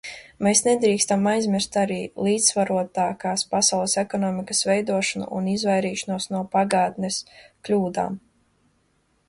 Mēs nedrīkstam aizmirst arī līdzsvarotākas pasaules ekonomikas veidošanu un izvairīšanos no pagātnes kļūdām.